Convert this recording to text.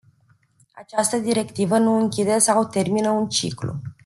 Această directivă nu închide sau termină un ciclu.